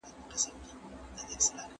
قانون کله نافذیږي؟